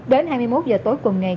đến hai mươi một h tối cùng ngày